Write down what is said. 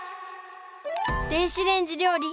電子レンジ料理